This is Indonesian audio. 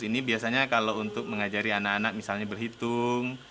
ini biasanya kalau untuk mengajari anak anak misalnya berhitung